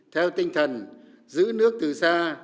theo tinh thần giữ nước từ xa